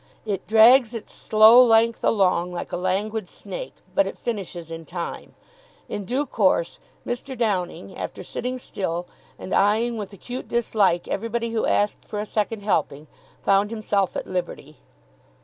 It drags its slow length along like a languid snake, but it finishes in time. In due course Mr. Downing, after sitting still and eyeing with acute dislike everybody who asked for a second helping, found himself at liberty.